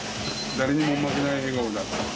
誰にも負けない笑顔だった。